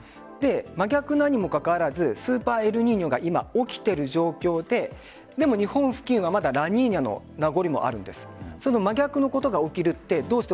真逆にもかかわらずスーパーエルニーニョが今、起きている状況ででも日本自体はラニーニャの名残もあるんです。